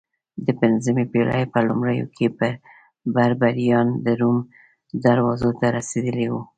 د پنځمې پېړۍ په لومړیو کې بربریان د روم دروازو ته رسېدلي وو